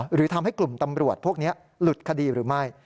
หรือทำให้กลุ่มตำรวจพวกนี้หลุดคดีหรือไม่